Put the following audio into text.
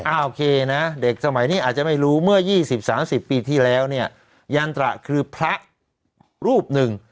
โอเคนะเด็กสมัยนี้อาจจะไม่รู้เมื่อ๒๐๓๐ปีที่แล้วเนี่ยยันตระคือพระรูปหนึ่ง